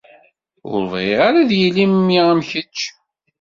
Ur bɣiɣ ara ad yili mmi am kečč.